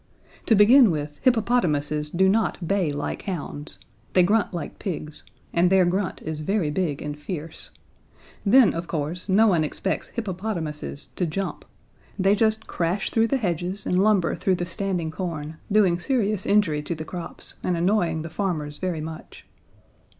To begin with, hippopotamuses do not bay like hounds: They grunt like pigs, and their grunt is very big and fierce. Then, of course, no one expects hippopotamuses to jump. They just crash through the hedges and lumber through the standing corn, doing serious injury to the crops, and annoying the farmers very much.